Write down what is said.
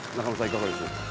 いかがでしょうか？